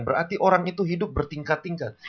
berarti orang itu hidup bertingkat tingkat